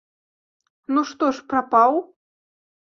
Ну, што ж, прапаў?